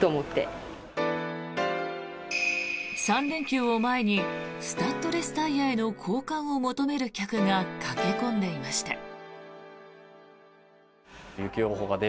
３連休を前にスタッドレスタイヤへの交換を求める客が駆け込んでいました。